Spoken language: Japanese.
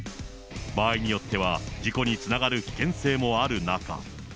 場合によっては、事故につながる危険性もある中。